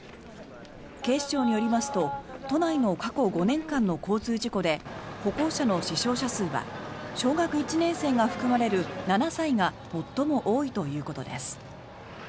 警視庁によりますと都内の過去５年間の交通事故で歩行者の死傷者数は小学１年生が含まれる７歳が最も多いということです。